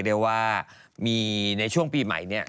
เรียกว่ามีในช่วงปีใหม่เนี่ย